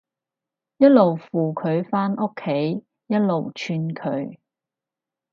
一路扶佢返屋企，一路串佢